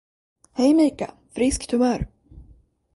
Heja Mika, friskt humör!